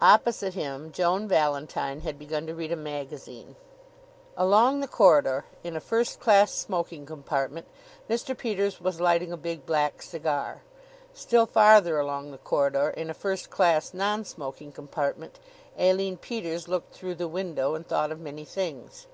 Opposite him Joan Valentine had begun to read a magazine. Along the corridor, in a first class smoking compartment, Mr. Peters was lighting a big black cigar. Still farther along the corridor, in a first class non smoking compartment, Aline Peters looked through the window and thought of many things.